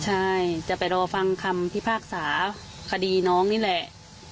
ใช่จะไปรอฟังคำพิพากษาคดีน้องนี่แหละ